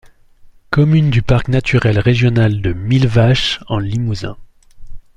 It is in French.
Commune du parc naturel régional de Millevaches en Limousin.